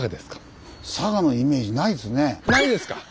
ないですか！